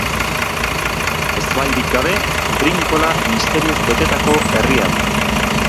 Ezbairik gabe Brinkola misterioz betetako herria da.